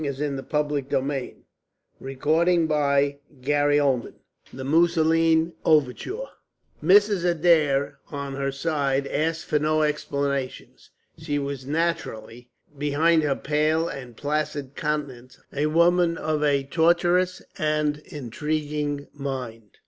It was her business and only hers. CHAPTER XVII THE MUSOLINE OVERTURE Mrs. Adair, on her side, asked for no explanations. She was naturally, behind her pale and placid countenance, a woman of a tortuous and intriguing mind.